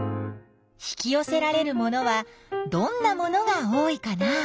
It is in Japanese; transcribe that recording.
引きよせられるものはどんなものが多いかな？